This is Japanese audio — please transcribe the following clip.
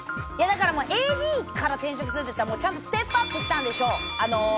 ＡＤから転職するって言ったらちゃんとステップアップしたんでしょう。